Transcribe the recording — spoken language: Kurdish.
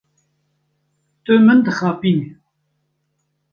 Tu min dixapînî.